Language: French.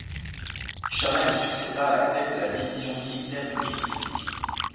Sherman lui succéda à la tête de la Division militaire du Mississippi.